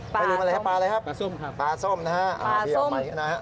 ไม่ลืมอะไรครับปลาอะไรครับปลาส้มครับพี่เอาใหม่กันนะครับปลาส้มครับ